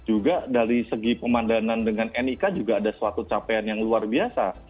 juga dari segi pemandangan dengan nik juga ada suatu capaian yang luar biasa